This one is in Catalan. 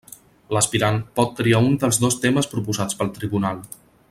L'aspirant pot triar un dels dos temes proposats pel tribunal.